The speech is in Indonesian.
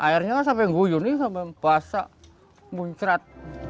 airnya sampai nguyur sampai basah muncrat